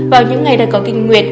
vào những ngày đã có kinh nguyện